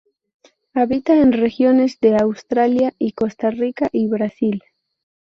Habita en Regiones de Australasia y Costa Rica y Brasil.